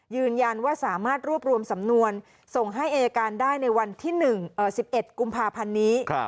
ยืนยันว่าสามารถรวบรวมสำนวนส่งให้อายการได้ในวันที่๑๑กุมภาพันธ์นี้